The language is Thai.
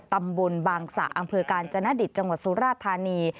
ตำบลบางสะอำเภอกาญจนดิตจังหวัดสุราธานี